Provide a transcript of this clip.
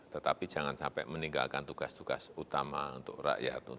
tetapi jangan sampai meninggalkan tugas tugas utama untuk rakyat